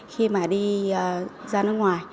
khi mà đi ra nước ngoài